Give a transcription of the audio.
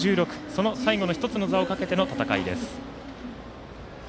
その最後の１つの座をかけての戦いです。